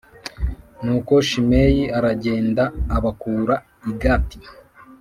Nuko Shimeyi aragenda abakura i Gati.